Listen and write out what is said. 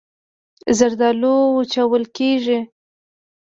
زردالو وچول کېږي.